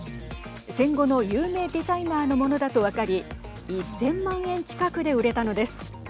戦後の有名デザイナーのものだと分かり１０００万円近くで売れたのです。